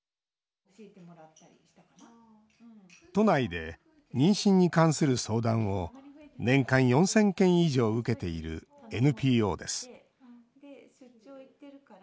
都内で妊娠に関する相談を年間４０００件以上受けているＮＰＯです。